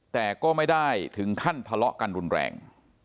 แต่ก็ไม่ได้ถึงขั้นทะเลาะกันรุนแรง